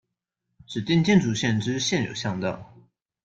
指定建築線之現有巷道